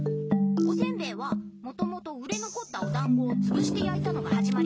おせんべいはもともと売れ残ったお団子をつぶしてやいたのがはじまりだからね。